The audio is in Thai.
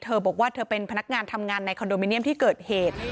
เธอบอกว่าเธอเป็นพนักงานทำงานในคอนโดมิเนียมที่เกิดเหตุ